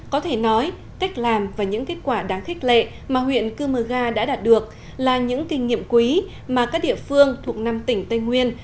có thể nói cách làm và những kết quả đáng thích lệ mà huyện chiêm mở nga đã đạt được là những kinh nghiệm quý mà các địa phương thuộc năm tỉnh tây nguyên